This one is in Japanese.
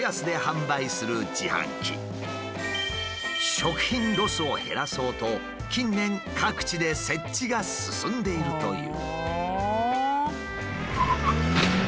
食品ロスを減らそうと近年各地で設置が進んでいるという。